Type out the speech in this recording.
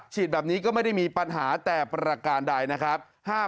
แบบนี้ก็ไม่ได้มีปัญหาแต่ประการใดนะครับ